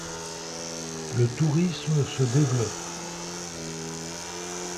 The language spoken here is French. Le tourisme se développe.